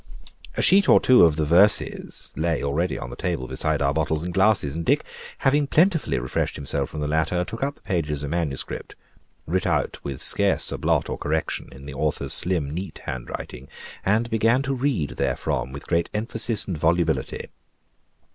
A sheet or two of the verses lay already on the table beside our bottles and glasses, and Dick having plentifully refreshed himself from the latter, took up the pages of manuscript, writ out with scarce a blot or correction, in the author's slim, neat handwriting, and began to read therefrom with great emphasis and volubility.